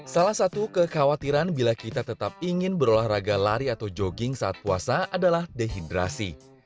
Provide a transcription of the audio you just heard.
salah satu kekhawatiran bila kita tetap ingin berolahraga lari atau jogging saat puasa adalah dehidrasi